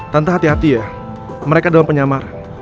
tanpa hati hati ya mereka dalam penyamaran